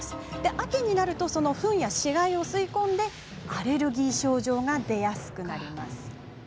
秋になると、そのフンや死骸を吸い込んでアレルギーの症状が出やすくなるんです。